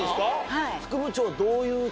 はい。